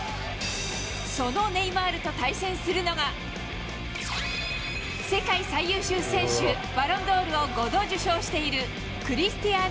そのネイマールと対戦するのが、世界最優秀選手・バロンドールを５度受賞しているクリスティアー